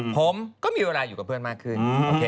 ผมก็มีเวลาอยู่กับเพื่อนมากขึ้น